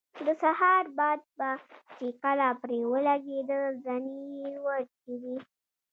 د سهار باد به چې کله پرې ولګېده زنې یې وړچېدې.